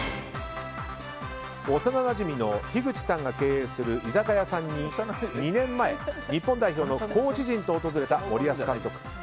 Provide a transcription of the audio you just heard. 幼なじみの樋口さんが経営する居酒屋さんに２年前、日本代表のコーチ陣と訪れた森保監督。